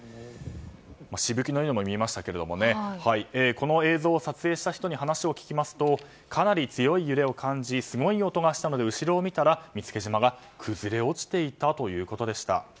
しぶきのようにも見えましたがこの映像を撮影した人に話を聞きますとかなり強い揺れを感じすごい音がしたので後ろを見たら見附島が崩れ落ちていたということでした。